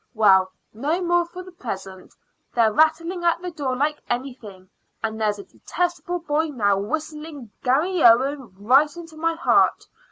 Well, no more for the present. They're rattling at the door like anything, and there's a detestable boy now whistling 'Garry Owen' right into my heart.